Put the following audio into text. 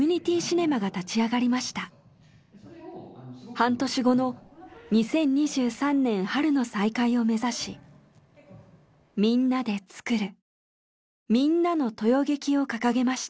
半年後の２０２３年春の再開を目指し“みんなでつくる、みんなの豊劇”を掲げました。